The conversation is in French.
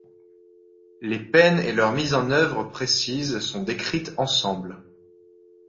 Les peines et leurs mises en œuvre précises sont décrites ensembles.